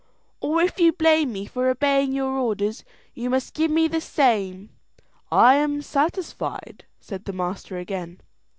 "Or if you blame me for obeying your orders, you must give the same." "I am satisfied," said the master again.